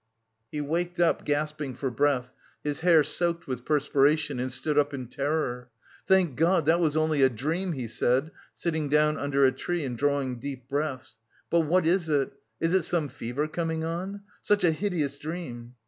He waked up, gasping for breath, his hair soaked with perspiration, and stood up in terror. "Thank God, that was only a dream," he said, sitting down under a tree and drawing deep breaths. "But what is it? Is it some fever coming on? Such a hideous dream!"